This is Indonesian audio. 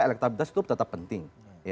elektabilitas itu tetap penting